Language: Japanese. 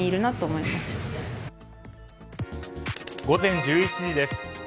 午前１１時です。